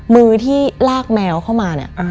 มือที่ลากแมวเข้ามาเนี่ย